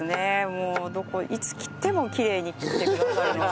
もういつ切ってもきれいに切ってくださるわ。